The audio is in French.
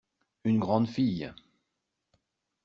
Une grande fille.